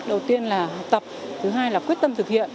đầu tiên là học tập thứ hai là quyết tâm thực hiện